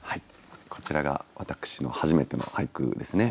こちらが私の初めての俳句ですね。